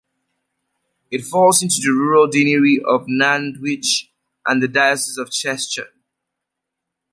It falls into the rural deanery of Nantwich and the diocese of Chester.